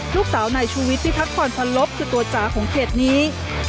ลูกสาวนายชูวิทที่พักผ่อนพันลบคือตัวจ๋าของเขตนี้